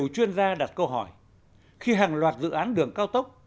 chuyên gia đặt câu hỏi khi hàng loạt dự án đường cao tốc